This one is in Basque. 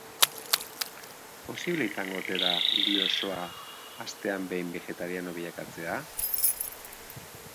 Posible izango ote da hiri osoa astean behin begetariano bilakatzea?